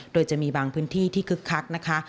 โดยจะมีบางพื้นที่ที่คึกคักนะคะ